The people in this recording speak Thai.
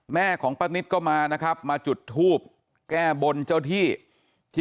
แม่ของป้านิตก็มานะครับมาจุดทูบแก้บนเจ้าที่ที่